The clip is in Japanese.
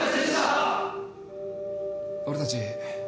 俺たち